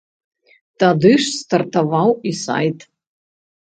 Тады ж стартаваў і сайт.